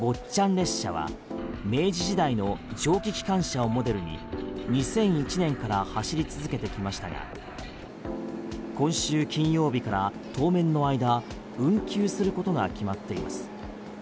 列車は明治時代の蒸気機関車をモデルに２００１年から走り続けてきましたが今週金曜日から当面の間運休することが決まっています。